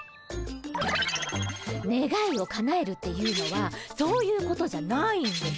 あねがいをかなえるっていうのはそういうことじゃないんです。